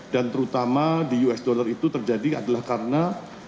dan terutama di usd itu terjadi adalah karena